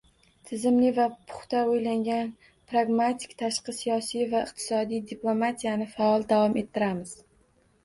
Tizimli va puxta o‘ylangan, pragmatik tashqi siyosiy va iqtisodiy diplomatiyani faol davom ettiramiz.